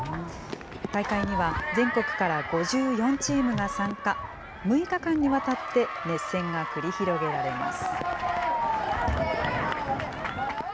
大会には、全国から５４チームが参加、６日間にわたって熱戦が繰り広げられます。